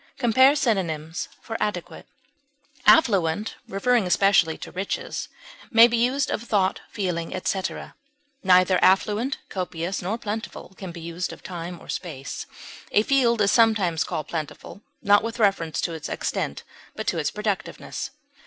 (Compare synonyms for ADEQUATE.) Affluent, referring especially to riches, may be used of thought, feeling, etc. Neither affluent, copious, nor plentiful can be used of time or space; a field is sometimes called plentiful, not with reference to its extent, but to its productiveness.